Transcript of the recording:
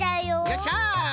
よっしゃ！